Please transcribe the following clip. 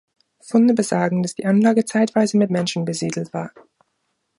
Funde besagen, dass die Anlage zeitweise mit Menschen besiedelt war.